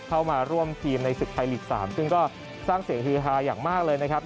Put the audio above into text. เข้ามาร่วมทีมในศึกไทยลีก๓ซึ่งก็สร้างเสียงฮือฮาอย่างมากเลยนะครับ